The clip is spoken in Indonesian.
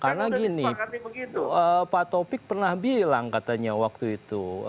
karena gini pak taufik pernah bilang katanya waktu itu